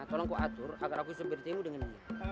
tolong aku atur agar aku bisa bertemu dengan dia